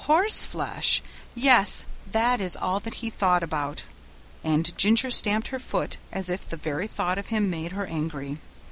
'Horseflesh'! Yes, that is all that he thought about," and Ginger stamped her foot as if the very thought of him made her angry.